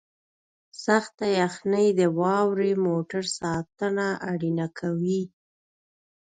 سخته یخنۍ د واورې موټر ساتنه اړینه کوي